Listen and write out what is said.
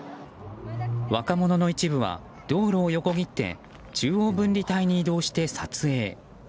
若者の一部は道路を横切って中央分離帯に移動して撮影。